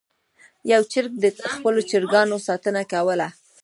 یو چرګ د خپلو چرګانو ساتنه کوله.